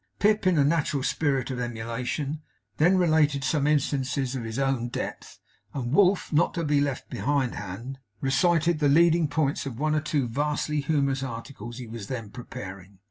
Pip, in a natural spirit of emulation, then related some instances of his own depth; and Wolf not to be left behind hand, recited the leading points of one or two vastly humorous articles he was then preparing.